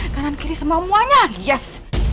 kanan kiri semuanya yes